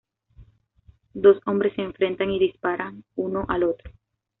Dos hombres se enfrentan y disparan uno al otro.